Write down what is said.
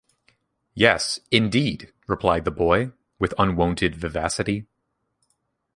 ‘Yes, indeed!’ replied the boy, with unwonted vivacity.